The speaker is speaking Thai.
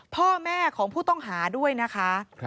พ่อแม่ของผู้ต้องหาด้วยนะคะ